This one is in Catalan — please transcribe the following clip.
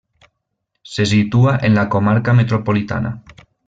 Se situa en la comarca Metropolitana.